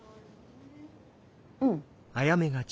うん。